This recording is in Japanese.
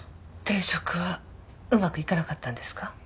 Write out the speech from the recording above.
転職はうまくいかなかったんですか？